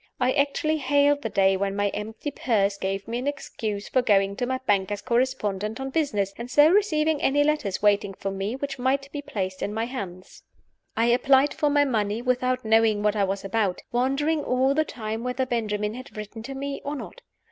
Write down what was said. I actually hailed the day when my empty purse gave me an excuse for going to my banker's correspondent on business, and so receiving any letters waiting for me which might be placed in my hands. I applied for my money without knowing what I was about; wondering all the time whether Benjamin had written to me or not.